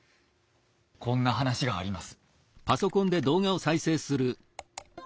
こんな話があります。